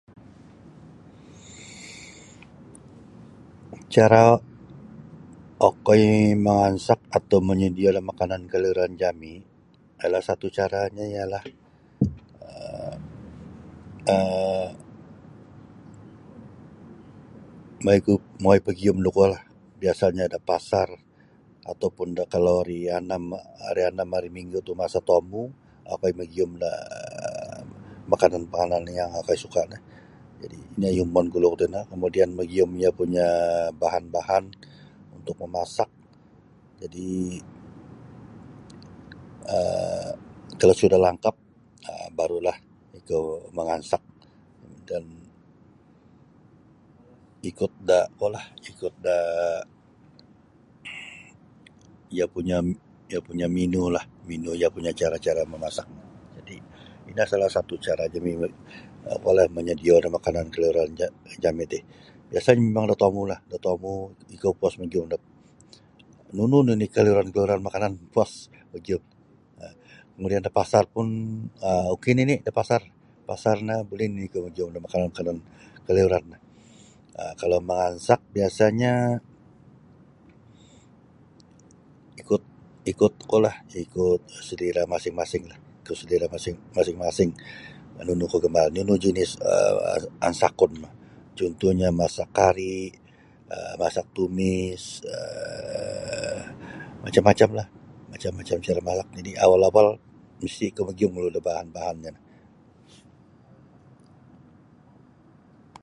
Cara okoi mangansak atau manyodio da makanan kaliuran jami' salah satu caranyo ialah um um mongoiku mongoi pagiyum da kuolah biasanyo da pasar atau pun da kalau ari anam ari anam ari minggu tu masa tomu okoi magiyum da um makanan-makanan yang okoi suka no jadi' ino yumon gulu kuo tino kemudian magiyum iyo punya bahan-bahan untuk memasak jadi um kalau sudah langkap um barulah ikou mangansak dan ikut da kuolah ikut da iyo punyo iyo punyo menulah menu iyo punya cara-cara memasak jadi' ino salah satu cara jami moyodio kuolah da makanan kaliuran jami' ti biasanyo mimang da tomu da tomu ikou puas magiyum da nunu nunu nini kaliyueran makanan kaliyuran no puas. Kemudian da pasar da pasar pun ok nini buli nini ikou magiyum da makanan kaliyuran no kalau mangansak biasanyo ikut ikut kuolah ikut selera masing-masing nunu kagamaran nunu jinis ansakunmu cuntuhnyo masak kari um masak tumis um macam-macamlah macam macam cara malap nini' awal-awal misti ikou magiyum gulu' da bahan-bahannyo no.